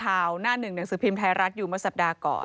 หน้าหนึ่งหนังสือพิมพ์ไทยรัฐอยู่เมื่อสัปดาห์ก่อน